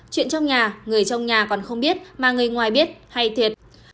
chuyện trong nhà người trong nhà còn không biết mà người ngoài biết hay thiệt